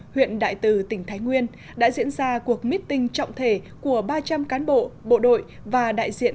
huyện đại từ tỉnh thái nguyên đã diễn ra cuộc meeting trọng thể của ba trăm linh cán bộ bộ đội và đại diện